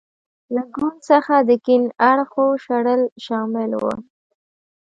له ګوند څخه د کیڼ اړخو شړل شامل و.